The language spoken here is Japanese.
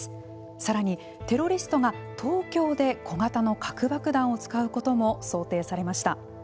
さらに、テロリストが東京で小型の核爆弾を使うことも想定されました。